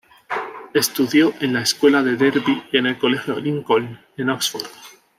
Estudió en la escuela de Derby y en el Colegio Lincoln, en Oxford.